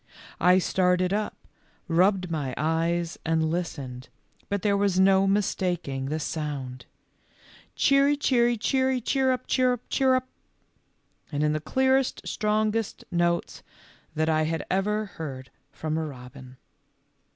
I started up, rubbed my eyes, and listened, but there was no mistaking the sound : Cheery, cheery, cheery, chirrup, chirrup, chirrup, and in the clearest, strongest notes that I had ever heard from a robin.